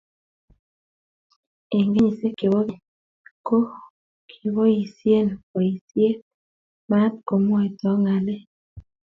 Eng kenyishe che bo keny ko kiboisie boisie maat komwaita ng'alek.